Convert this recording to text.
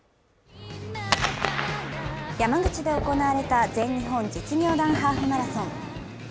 山口で行われた全日本実業団ハーフマラソン。